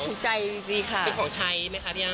ถูกใจดีค่ะเป็นของใช้ไหมคะพี่อาร์